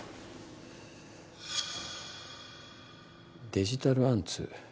デジタルアンツ？